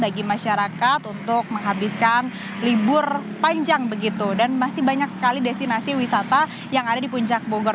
bagi masyarakat untuk menghabiskan libur panjang begitu dan masih banyak sekali destinasi wisata yang ada di puncak bogor